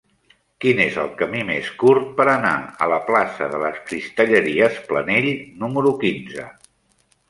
Quin és el camí més curt per anar a la plaça de les Cristalleries Planell número quinze?